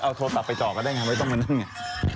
เอาโทรศัพท์ไปจ่อก็ได้ไงไม่ต้องมานั่งไง